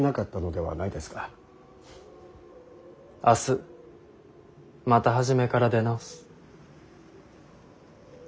明日また初めから出直す。